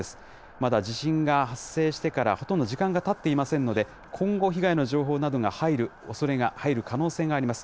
まだ、地震が発生してからほとんど時間がたっていませんので、今後、被害の情報などが入る可能性があります。